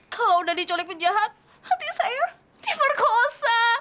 kalau sudah diculik penjahat nanti saya diperkosa